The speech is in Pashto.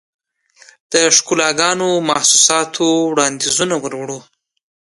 دښکالوګانو، محسوساتووړاندیزونه وروړو